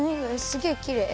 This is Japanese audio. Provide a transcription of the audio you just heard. すげえきれい。